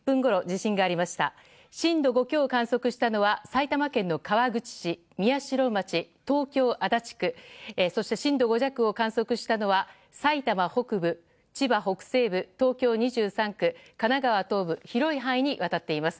震度５強を観測したのは埼玉県の川口市、宮代町東京・足立区そして震度５弱を観測したのは埼玉北部、千葉北西部東京２３区、神奈川東部広い範囲にわたっています。